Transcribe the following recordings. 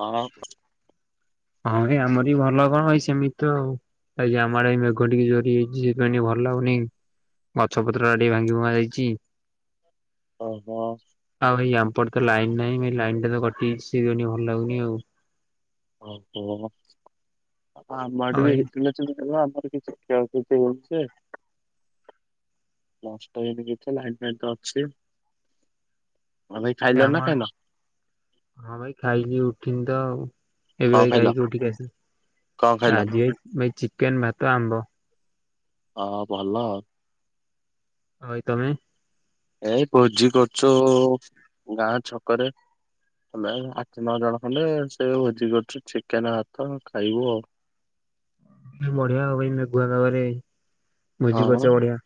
ହଁ ହଁ। ହଁ ଏଇ ଆମର ବି ଭଲ କଣ ଭାଇ ସେମିତି ତ ଆଉ। ଆ ଆମଡେ ଏଇ ମେଘ ଟିକେ ଜୋରି ହେଇଚି ସେପାଇଁ ଟିକେ ଭଲ ଲାଗୁନି। ଗଛ ପତ୍ର ଟା ଟିକେ ଭାଙ୍ଗି ଭୁଙ୍ଗା ଯାଇଚି। ଓହୋ। ଆଉ ଏଇ ଆମପଟ ତ ଲାଇନ୍ ନାହିଁ ଲାଇନ ଟା ତ କଟିି ଯାଇଚି ସେଥି ପାଇଁ ଟିକେ ଭଲ ଲାଗୁନି ଆଉ। ଓହୋ ଆ ଆଉ ମଡ଼େ ଭାଇ ହେଇଥିଲା। କି ଆମର କିଛି କ୍ଷୟକ୍ଷତି ହେଇଉଛି। ନଷ୍ଟ ହେଇନି କିଛି ଲାଇନ ଫାଇନ ତ ଅଛି। ଆଉ ଭାଇ ଖାଇଲ ନା ଆମ ଖାଇନ ହଁ ଭାଇ ଖାଇକି ଉଠିନିତ ଆଉ। କଣ ଏବେ ଭାଇ ଖାଇଲ ଖାଇକି ଉଠିକି ଆସ କଣ ଖାଇଲ? ଆଜି ଭାଇ ଚିକେନ, ଭାତ, ଆମ୍ବ। ହଁ ହଁ ଭଲ। ଆଉ ଭାଇ ତମେ? ଏଇ ଭୋଜି କରୁଚୁ ଗାଁ ଛକରେ। ଆଠ ନଅ ଜଣ ଖଣ୍ଡେ ସେ ଭୋଜି କରୁଚୁ ଚିକେନ ଭାତ ଖାଇବୁ ଆଉ। ବଢିଆ ମେଘୁଆ ପାଗରେ ଭୋଜି କରୁଚ ବଢିଆ।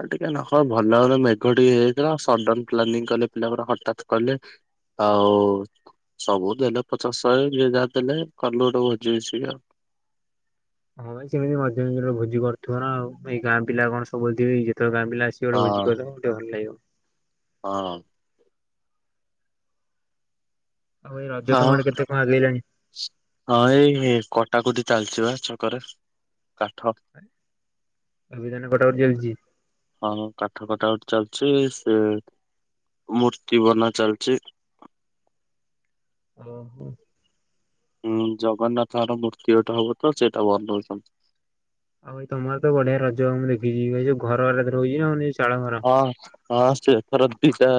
ଆ ଟିକେ ନଖ ଭଲ ଭ ମେଘ ଟିକେ ହେଇଥିଲା ସଡନ ପ୍ଲାନିଂ କଲେ ପିଲା ଗୁଡ଼ା ହଠାତ୍ କହିଲେ। ଆଉ ସବୁ ଦେଲେ ପଚାଶ ଶହେ ଯିଏ ଯାହା ଦେଲେ କଲ ହୋଉଚି ସ ଆଉ। ହଁ ଭାଇ ସେମିତି ମଝିରେ ମଝି ରେ ଭୋଜି କରଥିବ ନାଉ ଏଇ ଗାଁ ପିଲା କଣ ସବୁବେଳେ ଥିବେକି ଯେତେବେଳେ ଗା ପିଲା ଆ କି ହଁ। ଭୋଜି ଗୋଟେ ଭଲ ଲାଗିବ। ହଁ। ଆଉ ଏଇ ରଜ ଆଉ ତମ ଆଡ଼େ କେତେ କଣ ଆଗେଇଲାଣି? ହଁ ଏଇ କଟାକଟି ଚାଲଚି ପା ଛକରେ କାଠ। ଏବେ ତାନେ କଟା କଟି ଚାଲିଚି। ହଁଁ କାଠ କଟା କତି ଚାଲିଚି ସେ ମୂର୍ତ୍ତି ବନା ଚାଲଚି। ଓ ହୋ। ହୁଁ ଜଗନ୍ନାଥଙ୍କର ମୂର୍ତ୍ତି ଗୋଟେ ହବ ତ ସେଇଟା ବନଉଛନ୍ତି। ଆଉ ଭାଇ ତମର ତ ବଢିଆ ରଜ ହ ମୁଁ ଦେଖିଛିି ଭାଇ ଯଉ ଘର ରହୁଛି ନାଉ ଚାଳ ଘର। ହଁ ହଁ ସେଥର ଦିଟା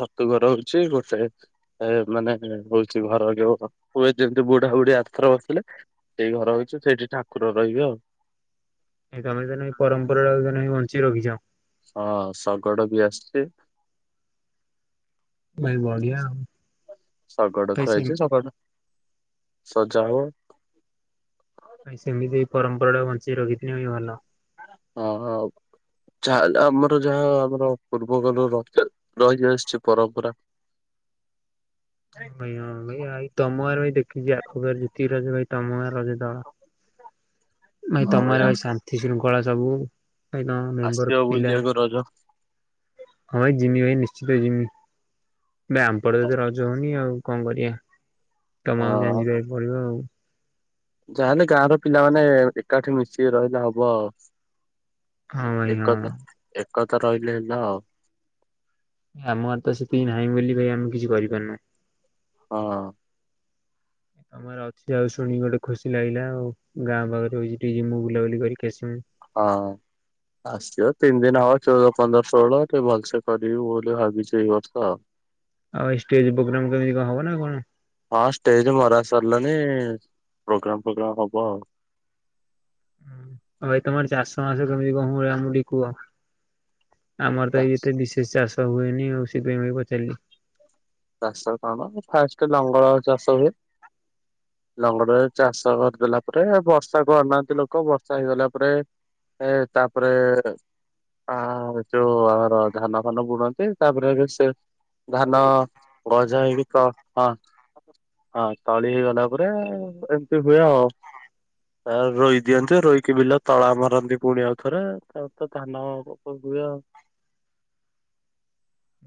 ଛତୁ ଘରହୁଚି ଗୋଟେ ଏ ମାନେ ହଉଛି ଘର ଯୋଉ ହୁଏ ଯେମିତି ବୁଢା ବୁଢୀ ଆରଥର ବସଥିଲେ। ସେଇ ଘର ହେଇଚି ସେଇଠି ଠାକୁର ରହିବେ ଆଉ। ଏ ତମେ ତ ଏଇ ପରମ୍ପରା ଟା ବଞ୍ଚି ରଖିଚ। ହଁ ଶଗଡ଼ ବି ଆସିଛି। ଭାଇ ବଢିଆ ଆଉ ଶଗଡ଼ ଭାଇ ସେମ ଥୁଆହୋଇଛି। ଶଗଡ଼ ସଜାହବ। ନାଇଁ ସେମିତି ପରମ୍ପରା ବଞ୍ଚେଇ ରଖିଥିବା ହିଁ ଭଲ। ହଁ-ହଁ। ଯାହାହେଲେ ଆମର ଯାହା ଆମର ପୂର୍ବ କନରୁ ର ରହିଆସିଛି ପରମ୍ପରା। ହଁ ଭାଇ ହଁ ଭାଇ ଆଇ ତମଆଡେ ଭାଇ ଦେଖିଛିି ଆଖ ପାଖ ରଜ ଭାଇ ତମଗାଁ ରଜ ତଳ। ଭାଇ ହଁ ତମ ଗାଁରେ ଆସ ଭାଇ ଶାନ୍ତି ଶୃଙ୍ଖଳା ସବୁ। ଭାଇ ତମ ମେମ୍ବର ଆସିବ ପିଲା ବୁଲିବାକୁ ରଜ ହଁ ଭାଇ ଜିମି ଭାଇ ନିଶ୍ଚିତ ଜିମି। ବେ ଆମପଟେ ଏତେ ରଜ ହଉନି ଆଉ କଣ କରିବା ତମକୁ ଗାଁକୁ ଯାଇ ଯିବାକୁ ପଡିବ ଆଉ। ଯାହାଲେ ଗାଁ ର ପିଲାମାନେ ଏକାଠି ମିଶିକି ରହିଲେ ହବ ଆଉ। ହଁ ଭାଇ ହଁ। ଏକତା-ଏକତା ରହିଲେ ହେଲା ଆଉ। ଆମର ଗାଁରେ ତ ସେତିକି ନାହିଁ ବୋଲି ଭାଇ ଆମେ କିଛି କରିପାରୁନୁ। ହଁ। ତମର ଅଛି ଆଉ ଶୁଣିକି ଗୋଟେ ଖୁସି ଲାଗିଲା। ଆଉ ଗାଁ ପାଖରେ ହଉଛି ଟିକେ ମୁଁ ବୁଲାବୁଲି କରିକି ଆସିମି। ହଁ। ଆସିବ ତିନି ଦିନି ହବ ଚଉଦ ପନ୍ଦର ଷୋହଳ ଟିକେ ଭଲସେ କରିବୁ ବୋଲି ଭାବିଛି ଏଇ ବର୍ଷ ଆଉ। ଆଉ ଏଇ ଷ୍ଟେଜ୍ ପୋଗ୍ରାମ୍ କେମିତି କଣ ହବ ନା କଣ? ହଁ ଷ୍ଟେଜ୍ ମରା ସାରିଲାଣିି ପୋଗ୍ରାମ୍ ଫୋଗ୍ରାମ୍ ହବ ଆଉ। ହୁଁ ଭାଇ ତମର ଚାଷ ମାସ କେମିତି କଣ ହୁଏ ଆମୁକୁ ଟିକେ କୁହ? ଆମର ତ ଏତେ ବିଶେଷ ଚାଷ ହୁଏନି ଆଉ ସେଥିପାଇଁ ଭାଇ ପଚାରିଲି? ଚାଷ କଣ ଫାଷ୍ଟ ଲଙ୍ଗଳରେ ଚାଷ ହୁଏ। ଲଙ୍ଗଡରେ ଚାଷ କରିଦେଲା ପରେ ବର୍ଷାକୁ ଅନାନ୍ତି ଲୋକ ବର୍ଷା ହେଇଗଲା ପରେ ଏ ତାପରେ ଆ ଯୋଉ ଆମର ଧାନ ଫାନ ବୁଣନ୍ତି ତାପରେ ସେ ଧାନ ଗଜା ହେଇକି [unintelligible] ହଁ ତଳି ହେଇଗଲା ପରେ ଏମିତି ହୁଏ ଆଉ। ରୋଇ ଦିଅନ୍ତି ରୋଇକି ବିଲା ତଳା ମାରନ୍ତି ପୁଣି ଆଉ ଥରେ ତା ତ ଧାନ ହୁଏ ଆଉ।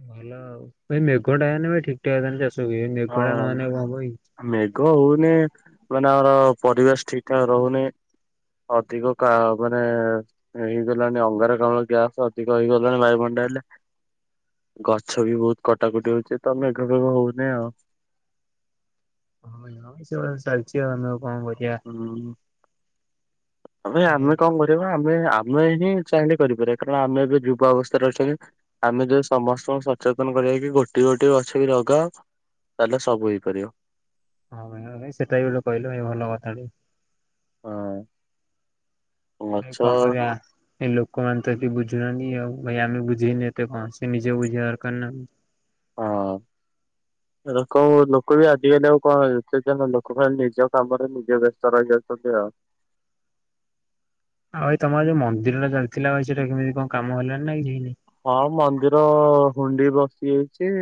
ଭଲ ଆଉ ଭାଇ ମେଘଟା ହେଇନି ଭାଇ ଠିକ୍ ଠାକ୍ ଚାଷ ହୁଏ। ମେଘଟା ନହଲେ ହଁ କଣ ହବକି। ମେଘ ହଉନି ମାନେ ଆମର ପରିବେଶ ଠିକ୍ ଠାକ୍ ରହୁନି। ଅଧିକ କା ମାନେ ହେଇଗଲାଣି ଅଙ୍ଗାରକାମ୍ଳ ଗ୍ୟାସ୍ ଅଧିକ ହେଇଗଲାଣି ବାୟୁମଣ୍ଡଲରେ। ଗଛ ବି ବହୁତ କଟାକଟି ହଉଛି ତ ମେଘ ଫେଘ ହଉନି ଆଉ। ହଁ ସେ ଭଳିଆ ତ ଚାଲିଛି ଆମେ ଆଉ କଣ କରିବା। ହୁଁ ଭାଇ ଆମେ କଣ କରୁ ଆମେ-ଆମେ ହିଁ ଚାହିଁଲେ କରିପାରିବା କାରଣ ଆମେ ଏବେ ଯୁବା ଅବସ୍ଥାରେ ଅଛନ୍ତି। ଆମେ ଯଦି ସମସ୍ତଙ୍କୁ ସଚେତନ କରିବା କି ଗୋଟି-ଗୋଟି ଗଛ ବି ଲଗାଅ ତାହେଲେ ସବୁ ହେଇପାରିବ। ହଁ ଭାଇ ସେଟା ବି ଗୋଟେ କହିଲ ଭାଇ ଭଲ କଥା ଟେ। ହଁ। ଭାଇ ଗଛ କଣ କରିଆ? ଏଇ ଲୋକମାନେ ତ ଏତିକି ବୁଝୁନାହାନ୍ତି ଆଉ। ଭାଇ ଆମେ ବୁଝେଇନି ଏତେ କଣ ସେ ନିଜେ ବୁଝିବା ଦରକାର ନା। ହଁ। [inaudible] ଲୋକଙ୍କୁ ଲୋକ ବି ଆଜିକାଲି ଆଉ କଣ ଲୋକମାନେ ନିଜ କାମରେ ନିଜେ ବ୍ୟସ୍ତ ରହିଯାଉଛନ୍ତି ଆଉ। ଆଉ ଭାଇ ତମର ଯୋଉ ମନ୍ଦିର ଟା ଚାଲିଥିଲା ଭାଇ ସେଟା କେମିତି କଣ କାମ ହେଲାଣି ନା କିଛି ହେଇନି? ହଁ ମନ୍ଦିର ହୁଣ୍ଡି ବସି ଯାଇଛି।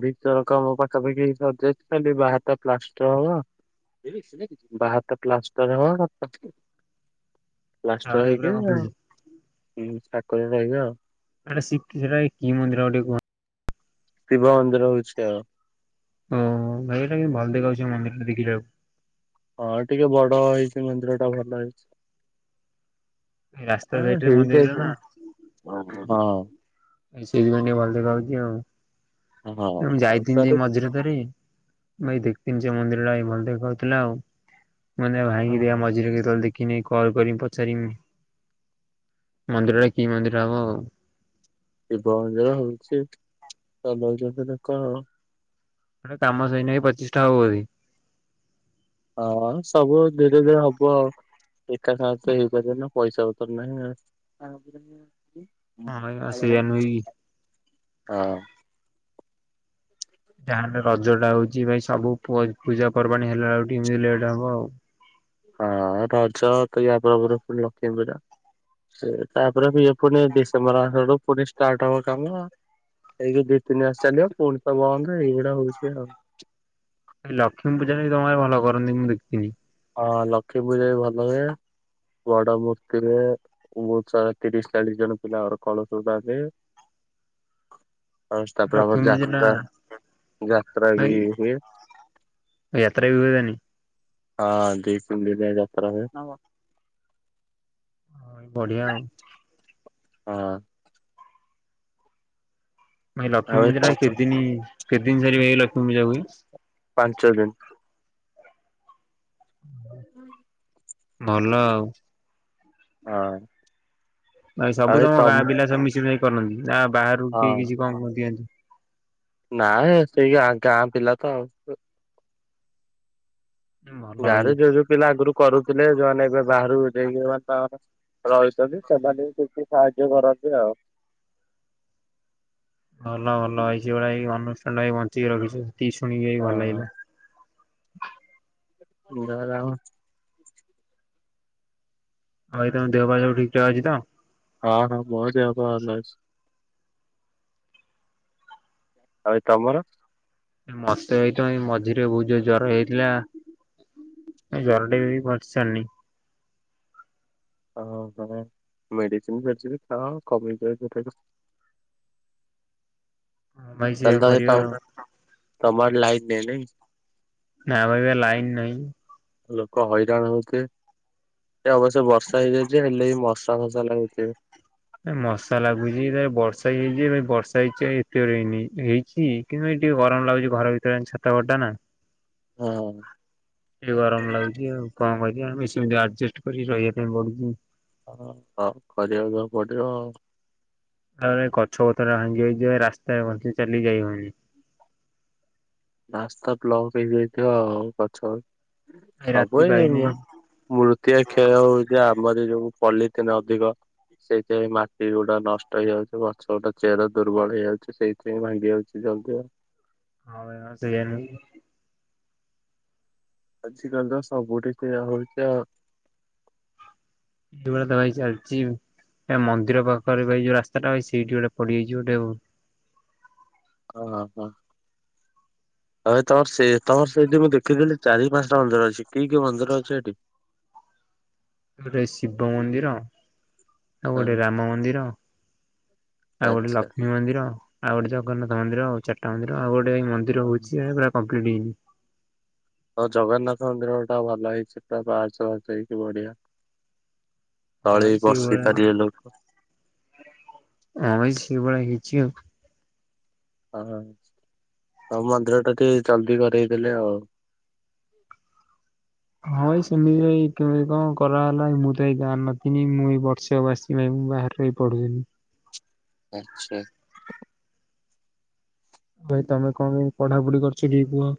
ଭିତର କାମ ପାଖାପାଖି ସରିଯାଇଛି ଖାଲି ବାହାରଟା ପ୍ଲାଷ୍ଟର ହବ। [inaudible] ବାହାର ଟା ପ୍ଲାଷ୍ଟର ହେବ [unintelligible] [inaudible] ପ୍ଲାଷ୍ଟର ଆହୁରି ପୁରା ହେଇକି କମ୍ପ୍ଲିଟ ଉଁ ଠାକୁର ରହିବେ ଆଉ। ଆରା ସିକିର କି ମନ୍ଦିର ଗୋଟେ କୁହନ୍ତି? ଶିବ ମନ୍ଦିର ହଉଛି ଆଉ। ଓହ ଭାଇ ଏଟା କିନ୍ତୁ ଭଲ ଦେଖାଉଛି ମନ୍ଦିର ଟା ଦେଖିଲା ବେଳକୁ। ହଁ ଟିକେ ବଡ ହେଇଛି ମନ୍ଦିର ଟା ଭଲ ହେଇଛି। ରାସ୍ତା ଆ ସାଇଡରେ ହେଇ ମନ୍ଦିରଟା ଯାଇଛୁ ନା ହଁ ସେଇଥିପାଇଁ ଟିକେ ଭଲ ଦେଖାଉଛି ଆଉ ହଁ ମୁଁ ଆଉ ଯାଇଥିନି ଯେ ତାର ମଝିରେ ଥରେ ଭାଇ ଦେଖଥିନି ସେ ମନ୍ଦିର ଟା ଭାଇ ଭଲ ଦେଖାଉଥିଲା ଆଉ ମାନେ ଭାଇହେଇରିଆ ହଁ ମଝିରେ କେତେବେଳେ ଦେଖ କି ନେଇ କଲ କରିମି ପଚାରିମି ମନ୍ଦିର ଟା କି ମନ୍ଦିର ହବ ଆଉ ଶିବ ମନ୍ଦିର ହଉଛି ତମ ଯଦି ଦେଖ ଆଉ ଆରେ କାମ ସଇନାଇ ପଚିଶଟା ହବ ହୁରି। ହଁ ସବୁ ଧୀରେ ଧୀରେ ହବ ଆଉ। ଏକା ସାଙ୍ଗରେ ତ ହେଇପାରିବନି ନା ପଇସା ପତର ନାହିଁ ଆ ହଁ ଏଇଆ [inaudible] ସେଇଆ ଆଇଲେ ନୁହେଁ କି? ହଁ। ଗାଁରେ ରଜ ଟା ହଉଛି ଭାଇ ସବୁ ପୁଅ ପୂଜା ପର୍ବାଣୀ ହେଲା ବେଳକୁ ଏମତି ଲେଟ ହବ ଆଉ। ହଁ ରଜ ତ ୟାପରେ ପରେ ପୁଣି ଲକ୍ଷ୍ମୀପୁଜା ସେ ତାପରେ ବି ପୁଣି ଡିସେମ୍ୱର ଆଡୁ ଆଡୁ ପୁଣି ଷ୍ଟାର୍ଟ୍ ହବ କାମ ଏଇଯୋଉ ଦି ତିନି ମାସ ଚାଲିବ ପୁଣି ତ ବନ୍ଦ ଏଇଗୁଡା ହଉଛି ଆଉ। ଲକ୍ଷ୍ମୀ ପୂଜା ବି ତମର ଆରେ ଭଲ କରନ୍ତି ମୁଁ ଦେଖିଥିନି। ହଁ ଲକ୍ଷ୍ମୀ ପୂଜା ବି ଭଲ ହୁଏ ବଡ ମୂର୍ତ୍ତିହୁଏ। ବୋହୁତ ସାରା ତିରିଶ ଚାଳିଶ ଜଣ ପିଲା କଳସ ବୁଡ଼ାନ୍ତି। [inaudible] [unintelligible] ଯାତ୍ରା ଲକ୍ଷ୍ମୀ ପୂଜା ଟା ଯାତ୍ରା ଭାଇ ବି ହୁଏ। ଯାତ୍ରା ବି ହୁଏ ତାନି ହଁ ଦି ତିନ୍ ଦିନିଆ ଯାତ୍ରା ହୁଏ ନା କଣ ବଢିଆ ଆଉ। ହଁ। ପୁଣି ଲକ୍ଷ୍ମୀ ଆଉ ଏ ପୂଜା କେତ୍ ଦିନ କେତ୍ ଦିନ ଯାରିବ ଲକ୍ଷ୍ମୀ ପୂଜା ହୁଏ? ପାଞ୍ଚ ଦିନ। ହଁ। ଭଲ ଆଉ। ହଁ ଭାଇ ଆଉ ସବୁ ଏ ତମ ଗାଁ ପିଲା ମିଶିିବେ ଯାଇ କରନ୍ତି ଯା ବାହାରୁ କି କିଛି କଣ କଣ ଦିଅନ୍ତି। ନାଁଇ ସେ ଗାଁ ଗାଁ ପିଲା ତ ଆଉ। ଭଲ ଭାଇ ଗାଁରେ ଯୋଉ ଯୋଉ ପିଲା ଆଗରୁ କରୁଥିଲେ ଯୋଉମାନେ ଏବେ ବାହାରୁକୁ [unintelligible] ରହିଛନ୍ତି ସେମାନେ ବି କିଛି ସାହାଯ୍ୟ କରନ୍ତି ଆଉ। ଭଲ ଭଲ ହେଇଛି ଏ ଭଳିଆ ଏଇ ଅନୁଷ୍ଠାନବି ବଞ୍ଚିକି ରଖିଚି ସେତିକି ଶୁଣିକି ଭଲ ଲାଗିଲା। ହଁ। ରଉ [inaudible] ଭାଇ ତମ ଦେହ ପାହ ସବୁ ଠିକ୍ ଠାକ୍ ଅଛି ତ! ହଁ ହଁ ମୋ ଦେହ ପାହ ଭଲ ଅଛି। ଆଉ ଭାଇ ତମର। ମତେ ଏଇ ତ ଏଇ ମଝିରେ ବହୁତ ଜୋରରେ ଜ୍ଵର ହେଇଯାଇଥିଲା। ଏ ଜର ଟେ ବି ବି ପଚିଚାରନି [unintelligible] ହଁ ହଁ ମେଡିସିନ୍ ଫେଡିସିନ ଖାଅ କମିଯିବ। ହଁ ଭାଇ ସେଇଆ କରିବା ଆଉ ତମ ଆଡ଼େ ଲାଇଟ୍ ନାହିଁ ନାଇଁ। ନାଁ ବା ଏବେ ଲାଇନ ନାହିଁ। ଲୋକ ହଇରାଣ ହଉଥିବେ, ସେ ଅବଶ୍ୟ ବର୍ଷା ହେଇଯାଇଛି ହେଲେ ବି, ମସ୍ ମଶା ଲାଗୁଥିବେ। ମଶା ଲାଗୁଛି ଯେ ବର୍ଷା ହେଇଯାଇଛି, ଏବେ ବର୍ଷା ହେଇଛି ଆଉ ଏତେ ହେଇନି, ହେଇଛି କିନ୍ତୁ ଭାଇ ଟିକେ ଗରମ ଲାଗୁଛି ଘର ଭିତରେ, ଛାତଘରଟା ନା। ହଁ। ଟିକେ ଗରମ ଲାଗୁଛି ଆଉ କଣ କରିବା ଆମେ, ସେମତି ଆଡଜଷ୍ଟ କରିକି ରହିବା ପାଇଁ ପଡୁଛି। ହଁ, ହଉ କରିବା ପାଇଁ ପଡିବ ଆଉ। ତାପରେ, ଗଛ ପତର ଭାଙ୍ଗି ଯାଇଛି ଯେ, ରାସ୍ତାରେ ଘରଠିକି ଚାଲିକି ଯାଇ ହଉନି। ରାସ୍ତା ବ୍ଲକ୍ ହେଇଯାଇଥିବ ଆଉ ଗଛ, ଭାଇ ରାତି ସବୁ ଏ ପାଇନି ମୃତୀକା କ୍ଷୟ ହଉଛି ଆମର ଯୋଉ ପଲିଥିନ୍ ଅଧିକ। ସେଇଥିପାଇଁ ମାଟି ଗୁଡା ନଷ୍ଟ ହେଇଯାଉଛି, ଗଛ ଗୁଡ଼ା ଚେର ଦୁର୍ବଳ ହେଇଯାଉଛି, ସେଇ ସେଥିପାଇଁ ଭାଙ୍ଗି ଯାଉଛି ଜଲଦି ଆଉ। ହଁ ଭାଇ ହଁ, ସେଇଆ ନୁହେଁକି? ଆଜିକାଲି ତ ସବୁଠି ସେଇଆ ହଉଛି ଆଉ। ଭାଇ ଚାଲଛି ଆଉ। ଏ ମନ୍ଦିର ପାଖରେ ଭାଇ ଯୋଉ ରାସ୍ତା ଟା ହେଇଛି, ସେଇଠି ବଧେ ପଡିଯାଇଛି ବଧେ ଆଉ। ଅ ହଁ। [inaudible] ଆଉ ତମର ସେ ତମର ସେଇଠି, ମୁଁ ଦେଖିଥିଲି ଚାରି ପାଞ୍ଚଟା ମନ୍ଦିର ଅଛି। କି କି ମନ୍ଦିର ଅଛି ସେଇଠି? ଶିବ ମନ୍ଦିର। ଆଉ ହଁ ଗୋଟେ ରାମ ମନ୍ଦିର ଆଉ ଗୋଟେ ଆଚ୍ଛା ଲକ୍ଷ୍ମୀ ମନ୍ଦିର। ଆଉ ଗୋଟେ ଜଗନ୍ନାଥ ମନ୍ଦିର। ଆଉ ଚାରିଟା ମନ୍ଦିର। ଆଉଗୋଟେ ହେଇ ମନ୍ଦିର ହଉଛି ଯେ ପୁରା କମ୍ପ୍ଲିଟ ହେଇନି। ଆଉ ଜଗନ୍ନାଥ ମନ୍ଦିର ଟା ଭଲ ହେଇଛି ପୁରା ପାହାଚ ଫାଆଚ ହେଇଛି ବଢିଆ। ହଁ ଭାଇ ତଳେବି ବସି ସେଇଭଳିଆ ପାରିବେ ଲୋକ। [unintelligible] ହଁ ମନ୍ଦିର ଟା ଟିକେ ଜଲଦି କରରେଇଦେଲେ ଆଉ। ହଁ ଭାଇ ସେମିତି କେମିତି କଣ କରାହେଲା ମୁଁ ତ ଏଇ ଗାଁ ରେ ନଥିନି, ମୁଁ ତ ଏଇ ବର୍ଷେ ହବ ଆସିଲି। ନାଇଁ, ମୁଁ ବାହାରେ ରହିକି ପଢୁଥିଲି। ଆଚ୍ଛା। ଭାଇ ତମେ କଣ ପାଇଁ ପଢାପଢି କରଛ କି କୁହ?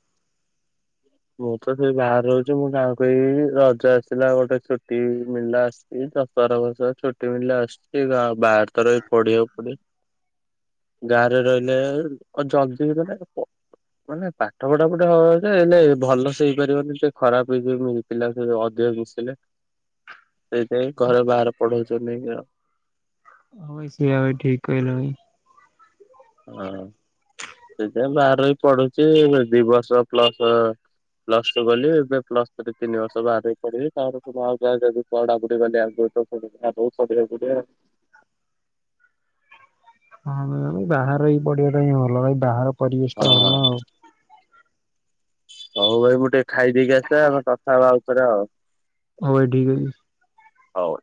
ମୁଁ ତ ସେଇ ବାହାରେ ରହୁଛି ମୁଁ ଗାଁକୁ ଏଇ ରଜ ଆସିଲା ଗୋଟେ ଛୁଟି ମିଳିଲା ଆସିଲି। ଏଇ ଦଶହରା ଫସହରା ଛୁଟି ମିଳିଲେ ଆସୁଛି ବାହା ବାହାରେ ତ ରହିକି ପଢିବାକୁ ପଡିବ। ଗାଁରେ ରହିଲେ ମାନେ ପାଠ ପଢାପଢ଼ି ହଁ ଯେ, ନାଇଁ ଭଲ ସେ ହେଇପାରିବନି ସେ ଖରାପ ହେଇଯିବ ସେ ପିଲାଙ୍କ ସହ ଅଧିକ ମିିଶିଲେ। ସେଇଥିାଇଁ ଘରେ ବାହାର ପଢଉଛନ୍ତିୁ ଆଉ। [unintelligible] ସେୟା ଭାଇ ଠିକ୍ କହିଲ ଭାଇ। [unintelligible] ବାହାର ବି ପଢୁଛି ଦି ବର୍ଷ ପ୍ଲସ ପ୍ଲସ୍ ଟୁ ଗଲି ଏବେ ପ୍ଲସ ଥ୍ରି ତିନିର୍ଷ ବାହାରି ରହି ପଡିବି ତାପ ଆଉ ଯାହା। [inaudible] ହଁ [unintelligible] ପଢିବା ଟା ହଁ ଭଲ ଭାଇ ବାହାର ପରିବେଶ ହଁ ଟା ଭଲ ଆଉ। ହଉ ଭାଇ ମୁଁ ଟିକେ ଖାଇଦେଇକି ଆସିବା ଆମେ କଥା ହବା ଉପରେ ଆଉ। ହଉ ଠିକ ଅଛି। ହଉ।